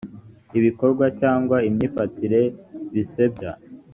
ibikorwa cyangwa imyifatire bisebya